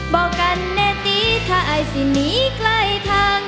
บอกกันแน่ตีถ้าไอ้สิหนีใกล้ทาง